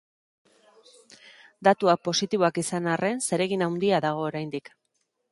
Datuak positiboak izan arren, zeregin handia dago oraindik.